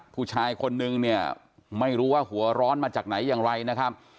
ผู้ชายคนนึงเนี่ยไม่รู้ว่าหัวร้อนมาจากไหนอย่างไรนะครับ